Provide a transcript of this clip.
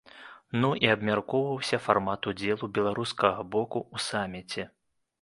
Ну, і абмяркоўваўся фармат удзелу беларускага боку ў саміце.